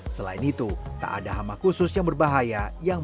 selain itu tak ada hama khusus yang berbahaya